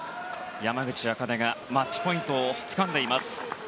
山口茜がマッチポイントをつかんでいます。